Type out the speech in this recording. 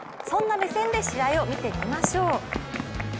そんな目線で、試合を見て見ましょう。